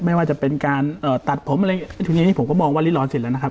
ไม่ว่าจะเป็นการเอ่อตัดผมอะไรอย่างงี้ทีนี้ผมก็มองว่าริรรณสิทธิ์แล้วนะครับ